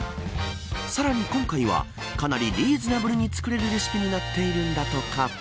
さらに今回はかなりリーズナブルに作れるレシピになっているんだとか。